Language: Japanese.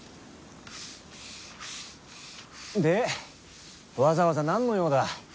でわざわざなんの用だ？